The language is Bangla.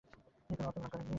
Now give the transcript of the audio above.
তিনি কোন অর্থ গ্রহণ করেননি।